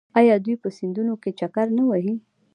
آیا دوی په سیندونو کې چکر نه وهي؟